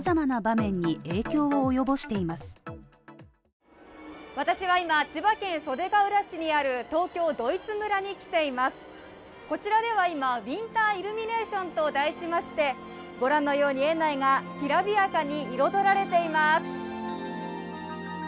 こちらでは今ウィンターイルミネーションと題しまして、御覧のように園内のいたるところが、きらびやかに彩られています。